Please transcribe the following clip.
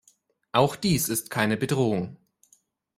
Auch dies ist keine Bedrohung.